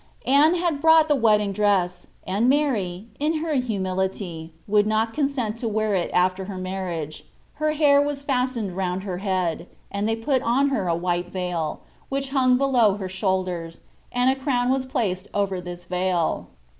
Anne had brought the wedding dress, and Mary, in her humility, would not consent to wear it after her marriage her hair was fas tened round her head, and they put on her a white veil, which hung below her shoulders, and a crown was placed over this veil.